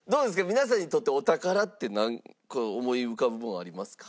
皆さんにとってお宝ってなんか思い浮かぶものありますか？